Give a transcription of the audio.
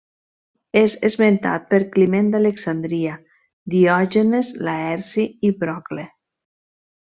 És esmentat per Climent d'Alexandria, Diògenes Laerci i Procle.